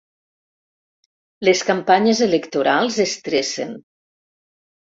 Les campanyes electorals estressen.